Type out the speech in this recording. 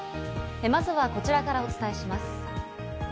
まずはこちらからお伝えします。